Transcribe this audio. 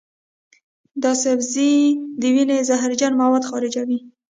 دا سبزی د وینې زهرجن مواد خارجوي.